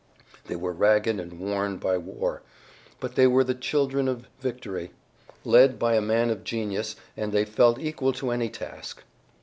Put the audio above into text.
They were ragged and worn by war, but they were the children of victory, led by a man of genius, and they felt equal to any task.